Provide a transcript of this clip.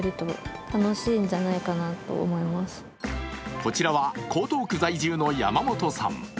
こちらは江東区在住の山本さん。